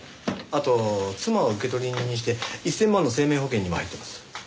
あと妻を受取人にして１０００万の生命保険にも入っています。